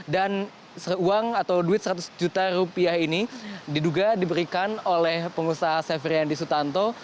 dan uang atau duit seratus juta rupiah ini diduga diberikan oleh pengusaha seferiandi sutanto